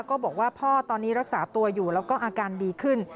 ก็บอกว่าพ่อตอนนี้รักษาตัวอยู่แล้วก็อาการดีขึ้น